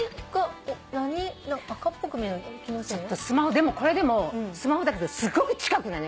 でもこれでもスマホだけどすごく近くなのよこれ。